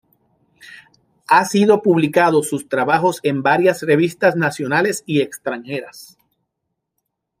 Ha sido publicado sus trabajos en varias revistas nacionales y extranjeras.